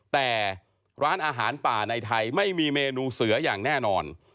แต่ร้านอาหารป่าในไทยไม่มีเมนูเสืออย่างแน่นอน